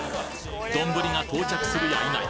丼が到着するやいなや